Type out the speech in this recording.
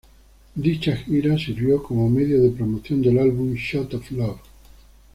Dicha gira sirvió como medio de promoción del álbum "Shot of Love".